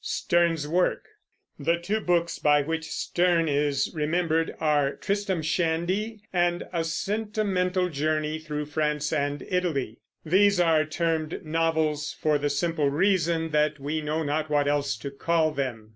The two books by which Sterne is remembered are Tristram Shandy and A Sentimental Journey through France and Italy. These are termed novels for the simple reason that we know not what else to call them.